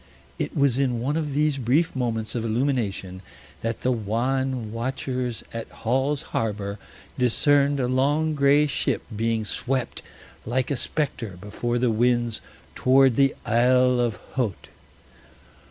It was in one of these brief moments of illumination that the wan watchers at Hall's Harbor discerned a long gray ship being swept like a specter before the winds towards the Isle of Haut.